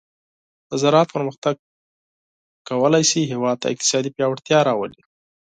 د زراعت پرمختګ کولی شي هیواد ته اقتصادي پیاوړتیا راولي.